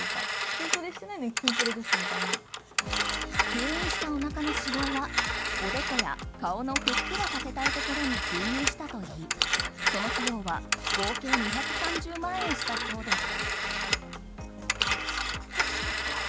吸引したおなかの脂肪はおでこや顔のふっくらさせたいところに注入したといいその費用は合計２３０万円したそうです。